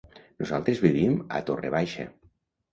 Nosaltres vivim a Torre Baixa.